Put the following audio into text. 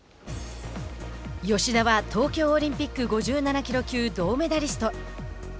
吉田は東京オリンピック５７キロ級銅メダリスト。